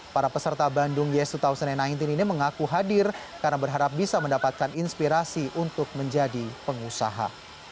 para peserta bandung yes dua ribu sembilan belas ini mengaku hadir karena berharap bisa mendapatkan inspirasi untuk menjadi pengusaha